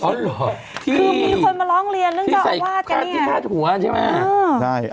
คือมีคนมาร้องเรียนเรื่องเจ้าอาวาสกันเนี่ย